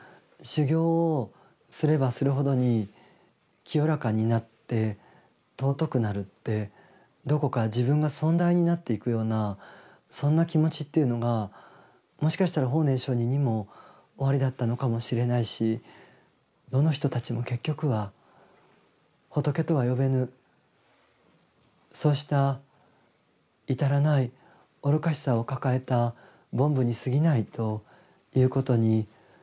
修行をすればするほどに清らかになって尊くなるってどこか自分が尊大になっていくようなそんな気持ちっていうのがもしかしたら法然上人にもおありだったのかもしれないしどの人たちも結局は仏とは呼べぬそうした至らない愚かしさを抱えた凡夫にすぎないということに。